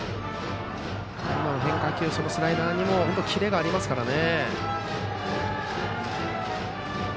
今の変化球スライダーにもキレがありますからね。